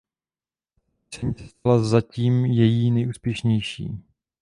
Tato píseň se stala zatím její nejúspěšnější.